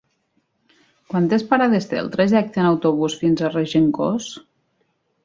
Quantes parades té el trajecte en autobús fins a Regencós?